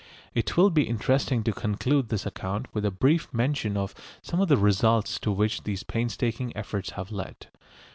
It will be interesting to conclude this account with a brief mention of some of the results to which these painstaking efforts have led.